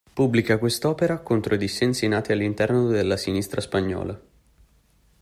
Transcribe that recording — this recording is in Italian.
Pubblica questa opera contro i dissensi nati all'interno della sinistra spagnola.